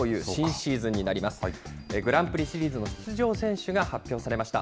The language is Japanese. グランプリシリーズの出場選手が発表されました。